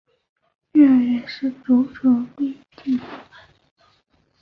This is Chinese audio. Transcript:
越位是足球运动的规则。